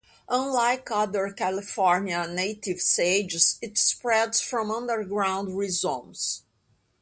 Unlike other California native sages, it spreads from underground rhizomes.